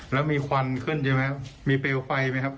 แล้วมีควันขึ้นใช่ไหมครับมีเปลวไฟไหมครับ